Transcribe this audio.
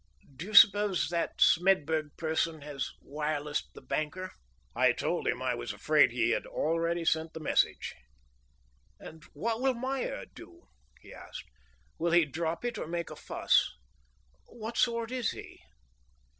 "Do you suppose that Smedburg person has wirelessed that banker?" I told him I was afraid he had already sent the message. "And what will Meyer do?" he asked. "Will he drop it or make a fuss? What sort is he?"